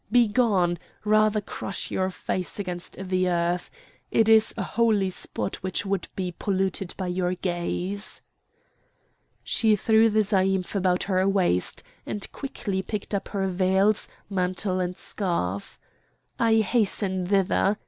Begone! Rather crush your face against the earth! It is a holy spot which would be polluted by your gaze!" She threw the zaïmph about her waist, and quickly picked up her veils, mantle, and scarf. "I hasten thither!"